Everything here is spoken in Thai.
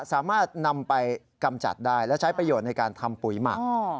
สามารถนำไปกำจัดได้และใช้ประโยชน์ในการทำปุ๋ยหมัก